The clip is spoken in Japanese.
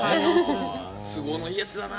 都合のいいやつだな。